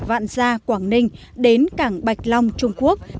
vạn gia quảng ninh đến cảng bạch long trung quốc